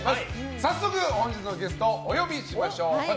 早速、本日のゲストお呼びしましょう。